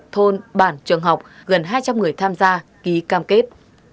thôn bản trường học gần hai trăm linh người tham gia ký cam kết